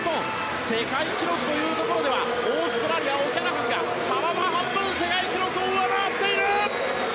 世界記録というところではオーストラリアのオキャラハンが体半分世界記録を上回っている！